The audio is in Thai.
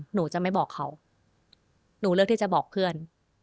หนูจะไม่บอกเขาหนูเลือกที่จะบอกเพื่อน